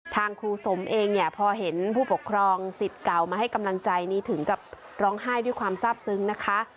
ทางครูสมเองเนี่ยพอเห็นผู้ปกครองสิทธิ์เก่ามาให้กำลังใจนี้ถึงกับร้องไห้ด้วยความทราบซึ้งนะคะ